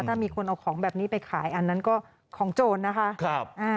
ถ้ามีคนเอาของแบบนี้ไปขายอันนั้นก็ของโจรนะคะ